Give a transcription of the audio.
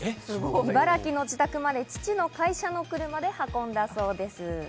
茨城の自宅まで父の会社の車で運んだそうです。